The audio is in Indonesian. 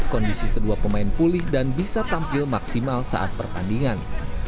kondisi kedua pemain pulih dan bisa tampil maksimal saat pertandingan